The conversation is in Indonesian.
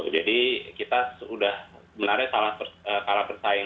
jadi kita sudah sebenarnya kalah bersaing